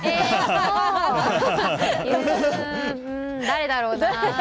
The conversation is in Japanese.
誰だろうな。